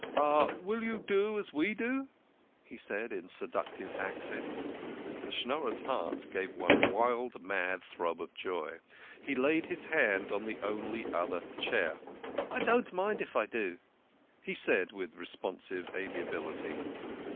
" Will you do as we do? " he said in seductive accents. 92 THE KING OF SCHNORRERS. The Schnorrer's heart gave one wild, mad throb of joy. He laid his hand on the only other chair. " I don't mind if I do," he said, with responsive amia bility.